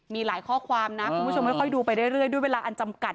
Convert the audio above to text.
มีหลายข้อความนะคุณผู้ชมค่อยดูไปเรื่อยด้วยเวลาอันจำกัด